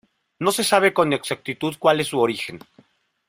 No se sabe con exactitud cuál es su origen.